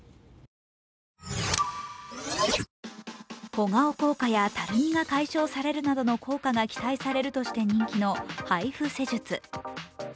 小顔効果やたるみが解消されるなどの効果が期待されるとして人気のＨＩＦＵ施術。